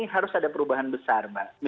harus ada perubahan besar mbak